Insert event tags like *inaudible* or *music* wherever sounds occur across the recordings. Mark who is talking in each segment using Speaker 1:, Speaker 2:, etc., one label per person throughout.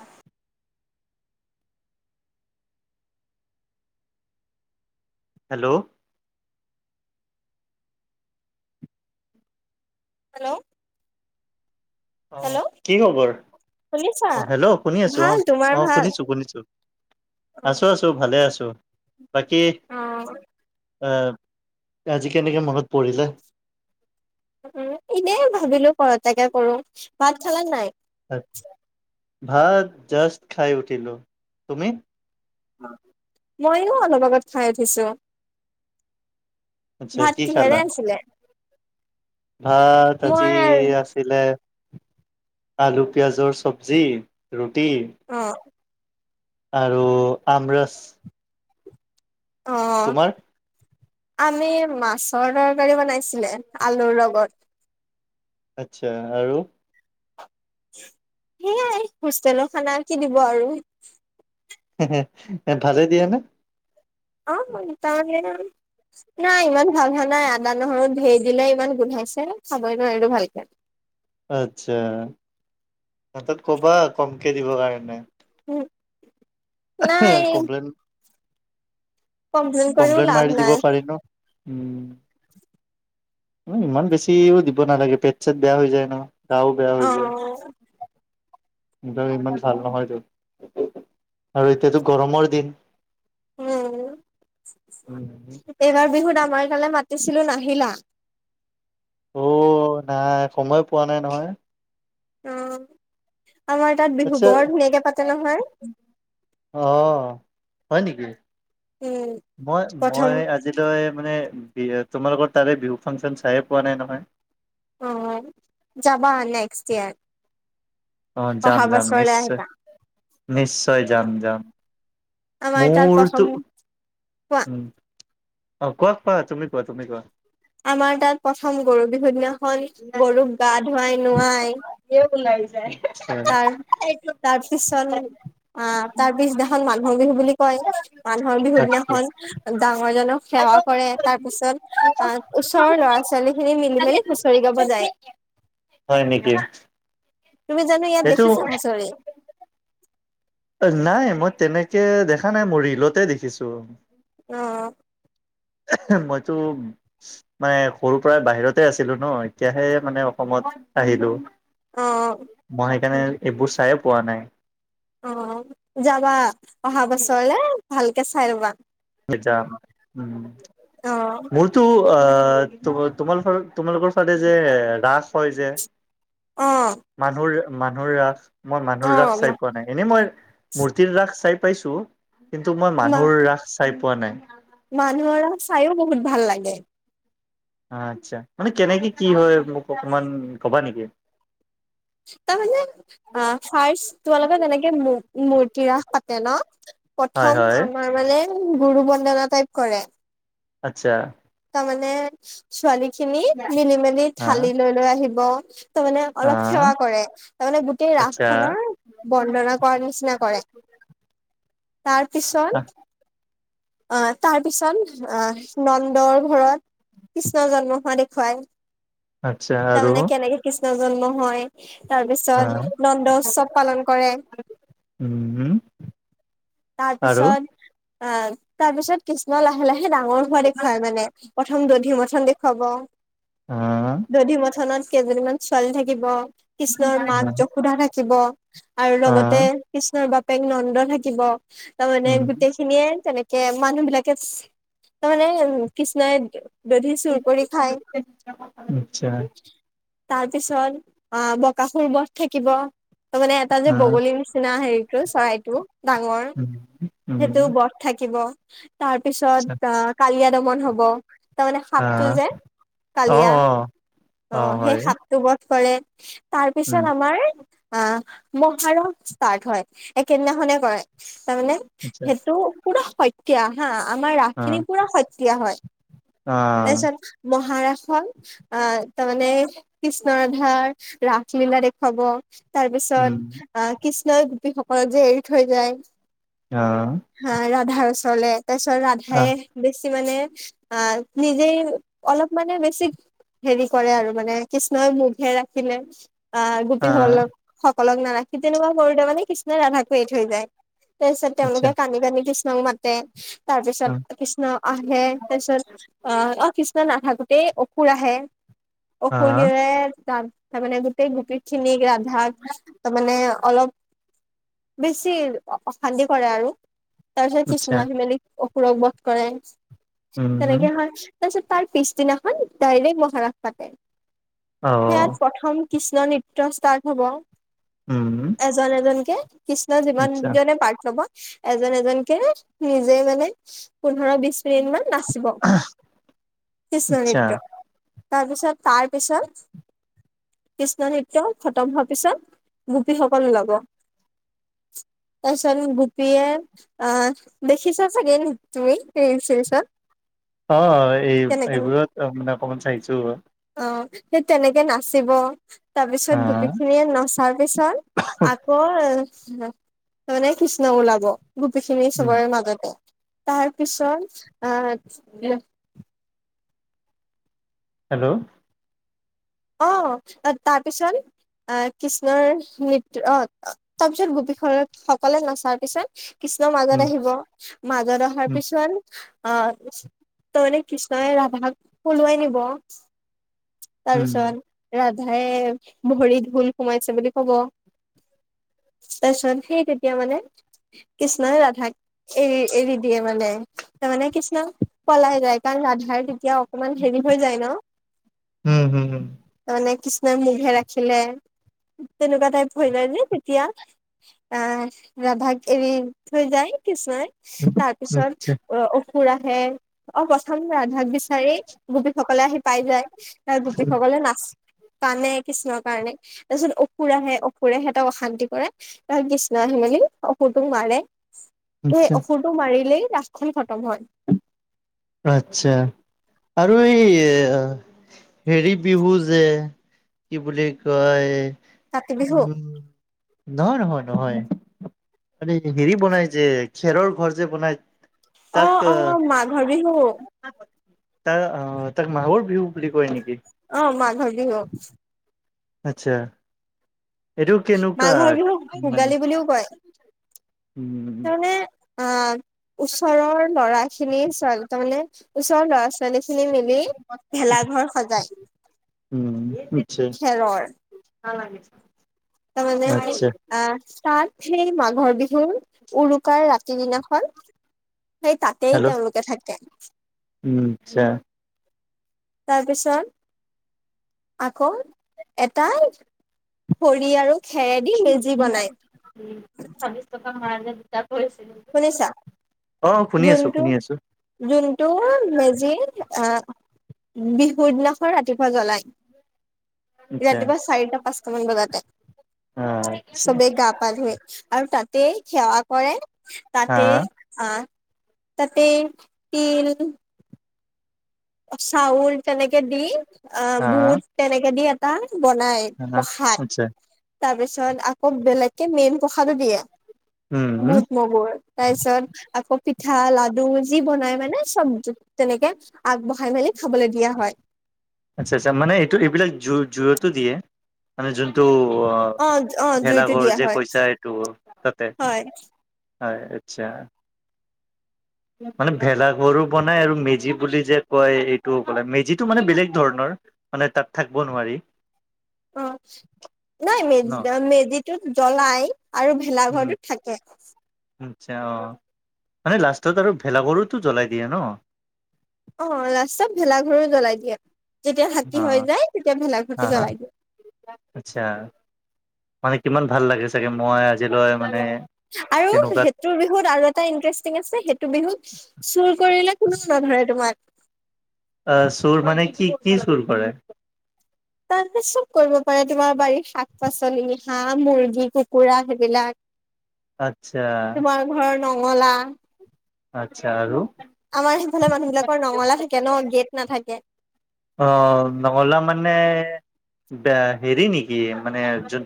Speaker 1: অঁ! Hello!
Speaker 2: Hello!
Speaker 1: অঁ কি খবৰ অঁ হেল্লৌ শুনি আছোঁ
Speaker 2: ভাল
Speaker 1: অঁ অঁ শুনিছোঁ শুনিছোঁ।
Speaker 2: অঁ!
Speaker 1: তো ভালে আছো বাকী- অঁ আজি কেনেকৈ মনত পৰিলে?
Speaker 2: উমঁ এনেই ভাবিলো কল এটাকে কৰো ভাত খালা নাই?
Speaker 1: ভাত জাষ্ট খাই উঠিলোঁ তুমি?
Speaker 2: ময়ো অলপ আগত খাই উঠিছোঁ।
Speaker 1: আচ্ছা কি খাল
Speaker 2: কিহেৰে আছিলে
Speaker 1: ভাত
Speaker 2: মই
Speaker 1: আজি- আছিলে, আলু পিয়াজৰ চব্জি, ৰুটি।
Speaker 2: অঁ!
Speaker 1: আৰু, আমৰচ।
Speaker 2: অ
Speaker 1: তোমাৰ-
Speaker 2: আমি মাছৰ তৰকাৰী বনাইছিলে আলুৰ লগত।
Speaker 1: আচ্ছা, আৰু।
Speaker 2: সেইয়াই হোষ্টেলৰ খানা কি দিব আৰু-
Speaker 1: হেহে ভালে দিয়ে নে?
Speaker 2: অঁ মই নীতা আনীয়ে কলো। নাই, ইমান ভাল হা নাই, আদা নহৰু ধেৰ দিলে, ইমান গোন্ধাইছে খাবই নোৱাৰো ভালকে।
Speaker 1: আচ্ছা, তাপিচত কবা কমকে দিবৰ কাৰণে-
Speaker 2: উমঁ'
Speaker 1: এহে কম্প্লেইন!
Speaker 2: কৰিও
Speaker 1: কমপ্লেইন
Speaker 2: লাভ
Speaker 1: মাৰি দিব
Speaker 2: নাই
Speaker 1: পাৰি ন উমঁ। ইমান বেছিও দিব নালাগে পেট চট বেয়া হৈ যায় ন, গাও বেয়া হৈ
Speaker 2: অ
Speaker 1: যায়। ভিতৰী ইমান ভাল নহয় দে। আৰু এতিয়াতো গৰমৰ দিন।
Speaker 2: উমঁ, এইবাৰ বিহুত আমাৰ এইফালে মাতিছিলো নাহিলা-
Speaker 1: অঁ, নাই সময় পোৱা নাই নহয়।
Speaker 2: অঁ, আমাৰ তাত বিহু
Speaker 1: আচ্ছা
Speaker 2: বৰ ধুনীয়াকে পাতে নহয়-
Speaker 1: অঁ, হয়ঁ নেকি
Speaker 2: উম, প্ৰথম
Speaker 1: মই-মই আজি- আজিলৈ মানে বি, তোমালোকৰ তাৰে বিহু ফাংচন চাই পোৱা নাই নহয়।
Speaker 2: অঁ জাবা নেক্সট ইয়াৰ-
Speaker 1: অঁ,
Speaker 2: অহা
Speaker 1: যাম-যাম
Speaker 2: বছৰলে
Speaker 1: নিশ্চয়
Speaker 2: আহিবা
Speaker 1: নিশ্চয় যাম
Speaker 2: অ',
Speaker 1: যাম-
Speaker 2: আমাৰ তাৰ প্ৰথম- কোৱা
Speaker 1: ওঁম! অঁ, কোৱাক কোৱা তুমি কোৱা, তুমি কোৱা।
Speaker 2: আমাৰ তাত প্ৰথম গৰু বিহু দিনাখন গৰুক গা ধুৱাই, নোৱাই।
Speaker 1: সিও কোলাই যায়।
Speaker 2: তাৰ, তাৰ পিছত। অহ, তাৰ পিছদিনাখন মানুহৰ বিহু বুলি কয়, মানুহৰ বিহুৰ
Speaker 1: আচ্ছা
Speaker 2: দিনাখন ডাঙৰ জনক সেৱা কৰে, তাৰ পিছত অ', ওচৰৰ ল'ৰা-ছোৱালীখিনি মিলি মেলি হুঁচৰি গাব যায়।
Speaker 1: হয় নেকি।
Speaker 2: তুমি জানো ইয়াত
Speaker 1: এইটো
Speaker 2: দেখিছা হুঁচৰি?
Speaker 1: অ', নাই মই তেনেকে দেখা নাই, মই ৰিলতে দেখিছো।
Speaker 2: অ'।
Speaker 1: মইতো মানে সৰু পৰাই বাহিৰতে আছিলো ন', এতিয়াহে মানে অসমত আহিলো।
Speaker 2: অ',
Speaker 1: মই সেইকাৰণে এইবোৰ চায়ে পোৱা নাই।
Speaker 2: অ', যাবা অহা বছৰলে ভালকে চাই ৰ'বা।
Speaker 1: *unintelligible* উম,
Speaker 2: অ',
Speaker 1: মোৰ টো অ', তোমালোকৰ-তোমালোকৰ ফালে যে ৰাস হয় যে।
Speaker 2: অ'।
Speaker 1: মানুহৰ, মানুহৰ ৰাস, মই মানুহৰ ৰাস
Speaker 2: অ',
Speaker 1: চাই পোৱা নাই। এনেই মই মূৰ্তিৰ ৰাস চাই পাইছো কিন্তু মই
Speaker 2: মা
Speaker 1: মানুহৰ ৰাস চাই পোৱা নাই।
Speaker 2: মানুহৰ চাইও বহুত ভাল লাগে।
Speaker 1: আচ্ছা, মানে কেনেকে কি হয় মোক অকমান ক'বা নেকি?
Speaker 2: তাৰমানে অ', ফাৰ্ষ তোমালোকৰ যেনেকে মূ-মূৰ্তিৰাস পাতে ন'।
Speaker 1: হয়
Speaker 2: প্ৰথম
Speaker 1: হয়
Speaker 2: আমাৰ মানে গুৰু বন্দনা টাইপ কৰে।
Speaker 1: আচ্ছা।
Speaker 2: তাৰমানে ছোৱালীখিনি মিলি মেলি
Speaker 1: হা
Speaker 2: থালি লৈ লৈ আহিব। তাৰমানে
Speaker 1: হা
Speaker 2: অলপ সেৱা কৰে তাৰমানে গোটেই ৰাস
Speaker 1: আচ্ছা
Speaker 2: খনৰ বন্দনা কৰাৰ নিচিনা কৰে, তাৰপিছত অ', তাৰপিছত অ', ন'ন দৰ ঘৰত কৃষ্ণৰ জন্ম হোৱা দেখুৱাই
Speaker 1: আচ্ছা আৰু
Speaker 2: তাৰমানে কেনেকে কৃষ্ণৰ জন্ম হয়।
Speaker 1: হা
Speaker 2: তাৰপিছত নন্দ উৎসৱ পালন কৰে।
Speaker 1: উম, উম।
Speaker 2: তাৰপিছত অ', তাৰপিছত কৃষ্ণ লাহে লাহে ডাঙৰ হোৱা দেখ তাৰমানে প্ৰথম দধি মথন দেখুৱাব,
Speaker 1: আহ
Speaker 2: দধি মঠনত কেইজনি মান ছোৱালী থাকিব, কৃষ্ণৰ মাক যশোধা থাকিব আৰু লগতে
Speaker 1: আহ
Speaker 2: কৃষ্ণৰ বাপেক নন্দ থাকিব তাৰমানে
Speaker 1: উম
Speaker 2: গোটেই খিনিয়ে তেনেকে মানুহবিলাকে তাৰমানে উম, কৃষ্ণই দধি চুৰ কৰি খায়।
Speaker 1: আচ্ছা
Speaker 2: তাৰপিছত অ', বকাসুৰ বধ থাকিব তাৰমানে তাত যে
Speaker 1: আহ
Speaker 2: বগলীৰ নিচিনা হেৰিটো চৰাইটো ডাঙৰ।
Speaker 1: উম উম
Speaker 2: সেইটো বধ থাকিব তাৰ
Speaker 1: আচ্ছা
Speaker 2: পিছত অহ, কালিয়া দমন হ'ব। তাৰমানে সাপটো
Speaker 1: আহ
Speaker 2: যে
Speaker 1: অ
Speaker 2: কালিয়া
Speaker 1: অ
Speaker 2: অ', সেই সাপ টো বধ কৰে
Speaker 1: উম
Speaker 2: তাৰপিছত আমাৰ অ', মহাৰণ ষ্টাৰ্ট হয় একেইদিনাখনে কৰে তাৰমানে
Speaker 1: আচ্ছা
Speaker 2: সেইটো পুৰা শকীয়া হা আমাৰ ৰাস
Speaker 1: অ
Speaker 2: খিনি পুৰা শক্ দিয়া হয়
Speaker 1: অ
Speaker 2: তাৰপিছত মহাৰাষণ অ', তাৰমানে কৃষ্ণৰাধাৰ ৰাসলীলা দেখুৱাব। তাৰ
Speaker 1: উম
Speaker 2: পিছত আহ কৃষ্ণই গোপীসকলত যে এৰি থৈ যায়।
Speaker 1: অ'।
Speaker 2: হা ৰাধাৰ ওচৰলে তাৰপিছত
Speaker 1: অ
Speaker 2: ৰাধাই বেছ মানে আহ নিজে অলপ মানে বেছি হেৰি কৰে আৰু মানে কৃষ্ণই মুখে ৰাখিলে আহ
Speaker 1: অ
Speaker 2: গোপীসল সকলক নাৰাখি তেনেকুৱা কৰিলে মানে কৃষ্ণই ৰাধাকো এৰি থৈ যায়। তাৰপিছত
Speaker 1: আচ্ছা
Speaker 2: তেওঁলোকে কান্দি, কান্দি কৃষ্ণক মাতে। তাৰপিছত
Speaker 1: অ
Speaker 2: কৃষ্ণ আহে তাৰপিছত অ, অ, কৃষ্ণ নাথাকোতেই অসুৰ আহে
Speaker 1: অ
Speaker 2: অসুৰ *unintelligible* তাত তাৰমানানে গোটেই গোপীখিনিক ৰাধাক তাৰ মানে অলপ। বেছি অশান্তি কৰে আৰু তাৰপিছত কৃষ্ণ
Speaker 1: আচ্ছা
Speaker 2: আহি মেলি। অসুৰক বধ কৰে।
Speaker 1: উম
Speaker 2: তেনেকে হয় তাৰপিছত তাৰ পিছদিনা এখন ডাইৰেক্ট মহাৰাস পাতে।
Speaker 1: অ
Speaker 2: সেয়াত প্ৰথম কৃষ্ণ নৃত্য ষ্টাৰ্ট হ'ব।
Speaker 1: উম।
Speaker 2: এজন এজনকে কৃষ্ণ যিমান
Speaker 1: আচ্ছা
Speaker 2: জনে পাৰ্ট ল'ব। এজন এজনকে নিজে মানে পোন্ধৰ বিশ ইমান নাচিব কৃষ্ণ
Speaker 1: আচ্ছা
Speaker 2: নৃত্য। তাৰপিছত, তাৰপিছত। কৃষ্ণ নৃত্য খতম হোৱাৰ পিছত গোপীসকল উলাব। তাৰপিছত গোপীয়ে দেখিছা চাগে তুমি ছিৰিজত।
Speaker 1: অ, এই-এইবোৰত মানে অকমান চাইছোঁ।
Speaker 2: অ, সেই তেনেকে নাচিব।
Speaker 1: অ
Speaker 2: তাৰপিছত গোপীখিনিয়ে নচাৰ পিছত আকৌ। তাৰমানে কৃষ্ণ ওলাব গোপীখিনি
Speaker 1: উম
Speaker 2: চবৰে মাজতে। তাৰপিছত আহ
Speaker 1: হেল্ল'।
Speaker 2: অ' তাৰপিছত। আহ কৃষ্ণৰ নৃত্যৰ অ' তাৰপিছত গোপী সকলে নচাৰ পিছত কৃষ্ণ
Speaker 1: উম
Speaker 2: মাজত আহিব মাজত অহাৰ
Speaker 1: উম
Speaker 2: পিছত। অ' তাৰমানে কৃষ্ণই ৰাধাক পলোৱাই নিব। তাৰ
Speaker 1: উম
Speaker 2: পিছত ৰাধাই ভৰিত হোল সোমাইছে বুলি ক'ব। তাৰপিছত সেই তেতিয়া মানে কৃষ্ণই ৰাধাক। এৰি, এৰি দিয়ে মানে তাৰ মানে কৃষ্ণক। পলাই যায় কাৰণ ৰাধাৰ তেতিয়া অকমান হেৰি হৈ যায় নহ।
Speaker 1: উম' হুম', হুম'।
Speaker 2: তাৰমানে কৃষ্ণই *unintelligible* ৰাখিলে তেনেকুৱা টাইপ হৈ যায় নে তেতিয়া। আহ ৰাধাক এৰি থৈ যায় কৃষ্ণই তাৰপিছত
Speaker 1: আচ্ছা,
Speaker 2: অসু অসুৰ আহে অ' প্ৰথম ৰাধাক বিচাৰি গোপীসকলে আহি পাই যায়। তাৰ গোপীসকলে নাচ কানে কৃষ্ণৰ কাৰণে তাৰপিছত অসুৰ আহে অসুৰে সিহঁতক অশান্তি কৰে। তাত কৃষ্ণ আহি মেলি অসুৰটোক মাৰে। সেই
Speaker 1: আচ্ছা,
Speaker 2: অসুৰটোক মাৰিলেই ৰাসখন খতম হয়।
Speaker 1: আচ্ছা' আৰু এই হেৰি বিহু যে কি বুলি কয়
Speaker 2: কাতি বিহু
Speaker 1: নহয় নহয় নহয়। মানে হেৰি বনাই যে খেৰৰ ঘৰ যে বনাই
Speaker 2: অ' অ' মাঘৰ বিহু।
Speaker 1: তাৰ আহ তাৰ মাঘৰ বিহু বুলি কয় নেকি?
Speaker 2: অ' মাঘৰ‌ বিহু।
Speaker 1: আচ্ছা এটো কেনকা
Speaker 2: মাঘৰ বিহুক
Speaker 1: মানে।
Speaker 2: ভোগালী বুলিও
Speaker 1: উম
Speaker 2: এ অ' ওচৰৰ ল'ৰা খিনি স্বাগ মানে ওচৰৰ ল'ৰা ছোৱালী খিনি মিলি ভেলাঘৰ সজায় খেৰৰ।
Speaker 1: নালাগে।
Speaker 2: তাৰ মানে আহ তাত সেই মাঘৰ বিহুৰ উৰুকাৰ ৰাতি দিনাখন সেই তাতে
Speaker 1: হেল্ল'
Speaker 2: তেওঁলোকে থাকে।
Speaker 1: উম আচ্ছা।
Speaker 2: তাৰপিছত। আকৌ এটাই খৰি আৰু খেৰে দি মেজি বনাই।
Speaker 1: *unintelligible*
Speaker 2: শুনিছা
Speaker 1: অ' শুনি আছোঁ
Speaker 2: যোনটো
Speaker 1: শুনি আছোঁ।
Speaker 2: যোনটো মেজিৰ আহ বিহুৰ দিনাখন ৰাতিপুৱা জ্বলাই।
Speaker 1: আচ্ছা,
Speaker 2: ৰাতিপুৱা চাৰিটা পাঁচটা মান বজাতে
Speaker 1: আচ্ছা,
Speaker 2: চবে গা-পা ধুই। আৰু তাতেই সেৱা কৰে
Speaker 1: হা,
Speaker 2: তাতেই অ' তাতে তিল চাউল তেনেকে দি অ'
Speaker 1: হা,
Speaker 2: বুট তেনেকে দি এটা বনাই।
Speaker 1: হা,
Speaker 2: প্ৰখাদ
Speaker 1: আচ্ছা,
Speaker 2: তাৰপিছত আকৌ বেলেগকে মেইন প্ৰখাদো দিয়ে।
Speaker 1: উম।
Speaker 2: বুট। মগুৰ তাৰ পিছত আকৌ পিঠা লাডু যি বনাই মানে চবজ- তেনেকে আগবঢ়াই মেলি খাবলৈ দিয়া হয়।
Speaker 1: আচ্ছা আচ্ছা মানে এইটো এইবিলাক জু- জুইতো দিয়ে মানে যোনটো অ
Speaker 2: অ জুইতো
Speaker 1: ভেলাঘৰ
Speaker 2: দিয়া
Speaker 1: যে
Speaker 2: হয়
Speaker 1: কৈছা এইটো তাতে
Speaker 2: হয়
Speaker 1: হয় আচ্ছা মানে ভেলাঘৰো বনাই আৰু মেজি বুলি যে কয় এইটো মানে মেজিটো মানে বেলেগ ধৰণৰ মানে তাত থাকিব নোৱাৰি।
Speaker 2: অ নাই
Speaker 1: ন
Speaker 2: মেজি মেজিটোত জ্বলাই আৰু
Speaker 1: উম
Speaker 2: ভেলাঘৰটোত থাকে।
Speaker 1: আচ্ছা অঁ মানে লাষ্টত আৰু ভেলা ঘৰোটো জ্বলাই দিয়ে ন।
Speaker 2: অ লাষ্টত ভেলাঘৰো জ্বলাই দিয়ে যেতিয়া ৰাতি হৈ যায় তেতিয়া
Speaker 1: হা
Speaker 2: ভেলাঘৰতে
Speaker 1: হা
Speaker 2: জ্বলাই দিয়ে।
Speaker 1: আচ্ছা মানে কিমান ভাল লাগে চাগে মই আজিলৈ মানে
Speaker 2: আৰু সেই
Speaker 1: তেনেকুৱাত
Speaker 2: সেইটো বিহুত আৰু এটা ইন্টাৰেষ্টিং আছে সেইটো বিহুত চুৰ কৰিলে কোনেও নধৰে তোমাক।
Speaker 1: অ চুৰ মানে কি কি চুৰ কৰে।
Speaker 2: তাৰ চব কৰিব পাৰে তোমাৰ বাৰীৰ শাক পাচলি হাঁহ মুৰ্গী কুকুৰা সেইবিলাক *inaudible*
Speaker 1: আচ্ছা
Speaker 2: তোমাৰ ঘৰৰ নঙলা।
Speaker 1: আচ্ছা আৰু?
Speaker 2: আমাৰ সেইফালৰ মানুহবিলাকৰ নঙলা থাকে ন, গেট নাথাকে।
Speaker 1: অ, নঙলা মানে দা হেৰি নেকি মানে যোন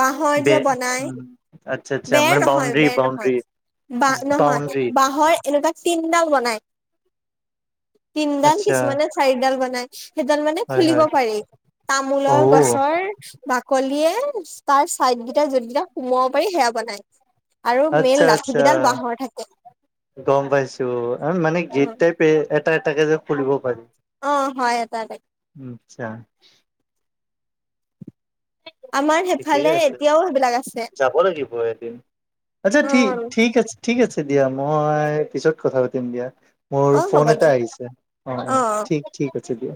Speaker 2: বাহৰ যে বনাই।
Speaker 1: আচ্ছা আচ্ছা
Speaker 2: বেৰ
Speaker 1: মানে
Speaker 2: নহয়
Speaker 1: বাউণ্ডৰী
Speaker 2: বেৰ
Speaker 1: বাউণ্ডৰী
Speaker 2: নহয়। বাঁহ নহয়,
Speaker 1: বাউণ্ডৰী
Speaker 2: বাঁহৰ এনেকুৱা তিনডাল বনাই। তিনডাল
Speaker 1: আচ্ছা
Speaker 2: কিছুমানে চাৰিডাল বনাই। সেইডাল মানে
Speaker 1: হয় হয়
Speaker 2: খুলিব পাৰি।
Speaker 1: অ
Speaker 2: তামোলৰ গছৰ বাকলিয়ে তাৰ চাইড কেইটা যোনকেইটা সোমাব পাৰি সেয়া বনায়।
Speaker 1: আচ্ছা আচ্ছা, গম পাইছো আৰু মানে গেট টাইপ পে এটা এটাকে যে এটা এটাকে খুলিব পাৰি।
Speaker 2: অ, হয়। এটা এটাকে।
Speaker 1: আচ্ছা।
Speaker 2: আমাৰ
Speaker 1: ঠিকে
Speaker 2: সেইফালে
Speaker 1: আছে,
Speaker 2: এতিয়াও সেইবিলাক আছে
Speaker 1: যাব লাগিব এদিন। আচ্ছা
Speaker 2: অ
Speaker 1: ঠি ঠিক আছে। ঠিক আছে দিয়া। মই পিছত কথা পাতিম দিয়া। মোৰ
Speaker 2: অ
Speaker 1: ফোন
Speaker 2: হ'ব
Speaker 1: এটা
Speaker 2: দিয়া
Speaker 1: আহিছে। অ অ, ঠিক ঠিক আছে দিয়া।